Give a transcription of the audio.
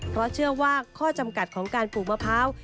เพราะเชื่อว่าข้อจำกัดของการปลูกมะพร้าว